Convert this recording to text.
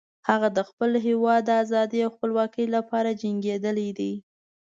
هغه د خپل هیواد د آزادۍ او خپلواکۍ لپاره جنګیدلی ده